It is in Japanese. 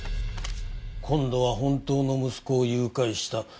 「今度は本当の息子を誘拐した。